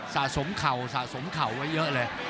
สะสมเข่าสะสมเข่าไว้เยอะเลย